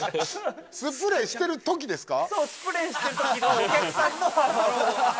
スプレーしてるときですか？